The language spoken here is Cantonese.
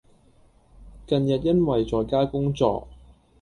近日因為在家工作